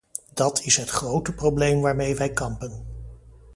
Dat is het grote probleem waarmee wij kampen.